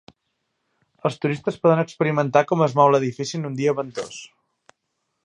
Els turistes poden experimentar com es mou l'edifici en un dia ventós.